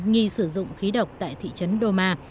nhi sử dụng khí độc tại thị trấn đô ma